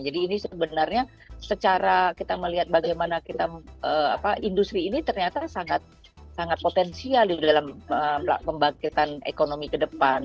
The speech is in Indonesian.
ini sebenarnya secara kita melihat bagaimana kita industri ini ternyata sangat potensial di dalam pembangkitan ekonomi ke depan